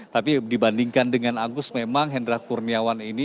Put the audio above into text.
tapi dibandingkan dengan agus memang hendra kurniawan ini